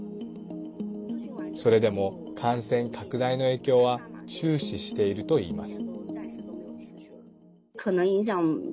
それでも感染拡大の影響は注視しているといいます。